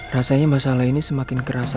rasanya masalah ini semakin kerasa